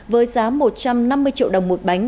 với giá một trăm năm mươi triệu đồng một bánh